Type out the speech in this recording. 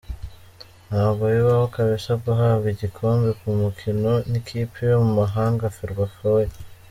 ntabwo bibaho kbs guhabwa igikombe ku mukino nikipe yo mu mahanga ferwafa weeee!!!!.